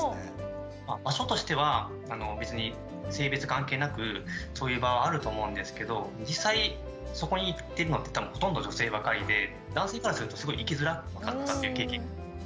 場所としては別に性別関係なくそういう場はあると思うんですけど実際そこに行ってるのって多分ほとんど女性ばかりで男性からするとすごい行きづらかったっていう経験が。